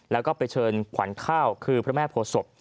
แล้วก็ไปเชิญขวัญข้าวคือพระแม่โพศพ